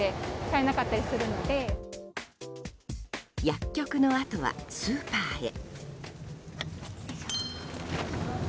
薬局のあとはスーパーへ。